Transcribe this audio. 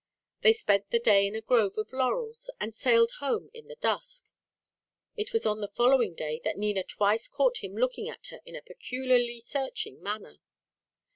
They spent the day in a grove of laurels, and sailed home in the dusk. It was on the following day that Nina twice caught him looking at her in a peculiarly searching manner.